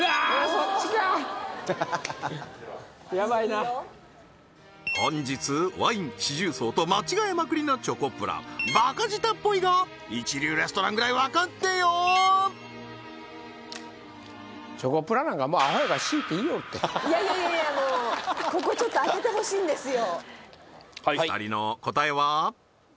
そっちかやばいな本日ワイン四重奏と間違えまくりなチョコプラバカ舌っぽいが一流レストランぐらいわかってよチョコプラなんかいやいやいやいやもうここちょっと２人の答えは？